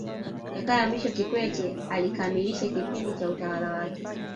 Jakaya Mrisho Kikwete alikamilisha kipindi cha utawala wake